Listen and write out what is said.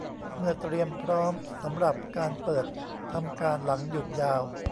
เพื่อเตรียมพร้อมสำหรับการเปิดทำการหลังหยุดยาว